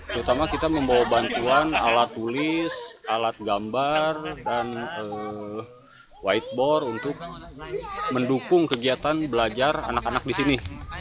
terutama kita membawa bantuan alat tulis alat gambar dan whiteboard untuk mendukung kegiatan belajar anak anak di sini